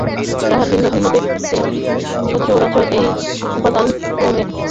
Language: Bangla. আবার ভিন্ন ভিন্ন ব্যক্তিতে সচরাচর এই উপাদান-ত্রয়ের কোন একটির প্রাধান্য দেখা যায়।